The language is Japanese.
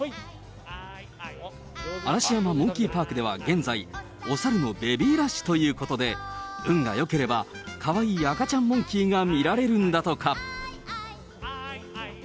嵐山モンキーパークでは現在、おサルのベビーラッシュということで、運がよければ、かわいい赤ちゃんモンキーが見られるんだとか。